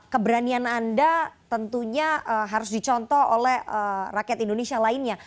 keberanian anda tentunya harus dicontoh oleh rakyat indonesia lainnya